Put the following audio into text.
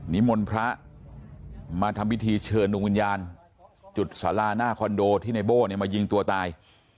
นิมนต์พระมาทำพิธีเชิญดวงวิญญาณจุดสาราหน้าคอนโดที่ในโบ้เนี่ยมายิงตัวตาย